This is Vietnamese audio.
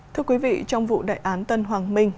thưa quý vị trong vụ đại án tân hoàng minh